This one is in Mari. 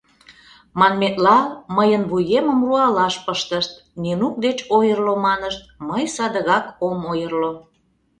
Манметла, мыйын вуемым руалаш пыштышт, Нинук деч ойырло манышт, мый садыгак ом ойырло...